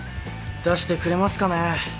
出してくれますかね。